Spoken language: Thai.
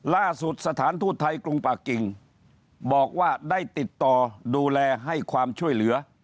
สถานทูตไทยกรุงปากกิ่งบอกว่าได้ติดต่อดูแลให้ความช่วยเหลือ